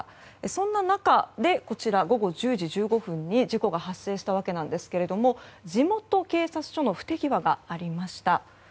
そんな中で午後１０時１５分に事故が発生したわけですけども地元警察署の不手際がありました。